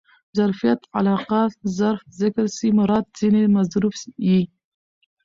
ظرفیت علاقه؛ ظرف ذکر سي مراد ځني مظروف يي.